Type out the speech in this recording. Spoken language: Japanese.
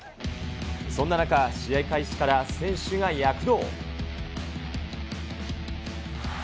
そんな中、試合開始から選手が躍動。